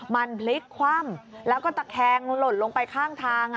มันพลิกคว่ำแล้วก็ตะแคงหล่นลงไปข้างทาง